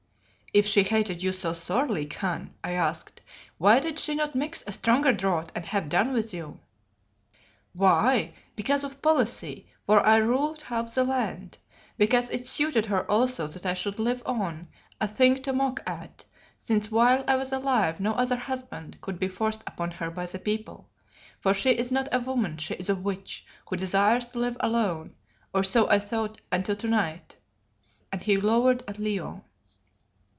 "If she hated you so sorely, Khan," I asked, "why did she not mix a stronger draught and have done with you?" "Why? Because of policy, for I ruled half the land. Because it suited her also that I should live on, a thing to mock at, since while I was alive no other husband could be forced upon her by the people. For she is not a woman, she is a witch, who desires to live alone, or so I thought until to night" and he glowered at Leo.